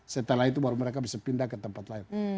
setelah itu baru mereka bisa pindah ke tempat lain